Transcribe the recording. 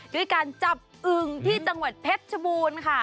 ด้วยการจับอึงที่จังหวัดเพชรชบูรณ์ค่ะ